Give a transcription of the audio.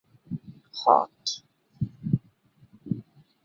Hort.